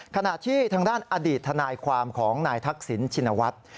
ขณะที่ทางด้านอดีตทนายความของนายทักษิณชินวัฒน์